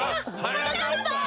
はなかっぱ。